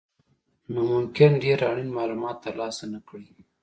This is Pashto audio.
نو ممکن ډېر اړین مالومات ترلاسه نه کړئ.